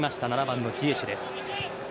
７番のジエシュです。